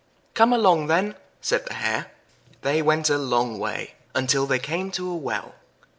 "Come along then," said the Hare. They went a long way, until they came to a well.